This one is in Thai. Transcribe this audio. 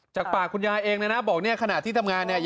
จากปากคุณยายเองนะบอกขณะที่ทำงานเนี่ย